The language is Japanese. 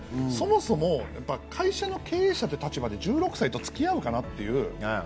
そもそも会社の経営者って立場で１６歳と付き合うかなっていう。